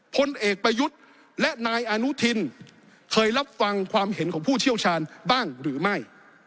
พลเอกประยุทธ์และนายอนุทินเคยรับฟังความเห็นของผู้เชี่ยวชาญบ้างหรือไม่